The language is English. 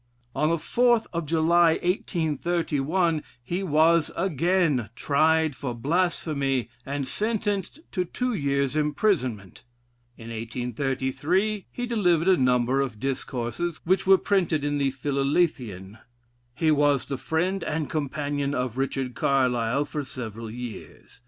On the 4th July, 1831, he was again tried for blasphemy and sentenced to two years' imprisonment In 1833 he delivered a number of discourses, which were printed in the "Philalethean." He was the friend and companion of Richard Carlile for several years.